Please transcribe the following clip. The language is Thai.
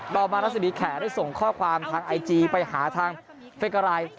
รัสมีแขได้ส่งข้อคลามทางไอจีส่งไปหาทางเฟกราย